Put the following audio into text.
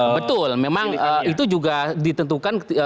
betul memang itu juga ditentukan